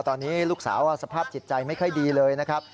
ตอนนี้ลูกสาวสภาพจิตใจไม่ค่อยดีเลยนะครับ